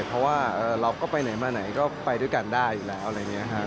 เพราะว่าเราก็ไปไหนมาไหนก็ไปด้วยกันได้อยู่แล้วอะไรอย่างนี้ค่ะ